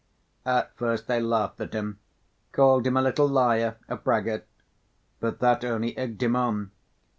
At first they laughed at him, called him a little liar, a braggart, but that only egged him on.